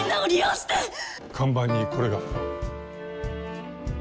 看板にこれが。